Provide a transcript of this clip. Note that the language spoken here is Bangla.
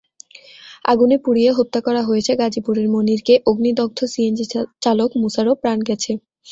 আগুনে পুড়িয়ে হত্যা করা হয়েছে গাজীপুরের মনিরকে, অগ্নিদগ্ধ সিএনজিচালক মুসারও প্রাণ গেছে।